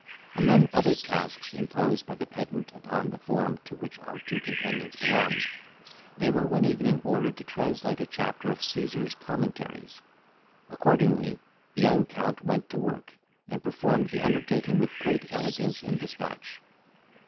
Among other tasks imposed by the pedant upon the form to which our two companions belonged, they were one evening ordered to translate a chapter of Caesar's Commentaries. Accordingly the young Count went to work, and performed the undertaking with great elegance and despatch.